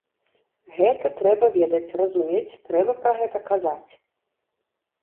Гэта трэба ведаць, разумець, трэба пра гэта казаць.